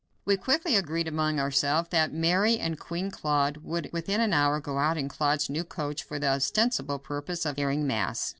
We quickly agreed among ourselves that Mary and Queen Claude should within an hour go out in Claude's new coach for the ostensible purpose of hearing mass.